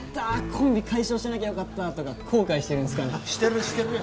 コンビ解消しなきゃよかった」とか後悔してるんすかね？